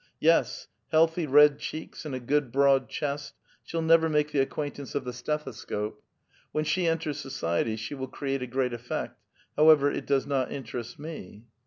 Yes, healthy red cheeks and a good broad chest, she'll never make the acquaintiince of the stethoscope. AVhen she entera so ciety she will create a great effect. However, it does not interest me."